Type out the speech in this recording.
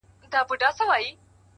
گراني راته راکړه څه په پور باڼه”